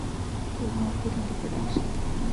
It was not put into production.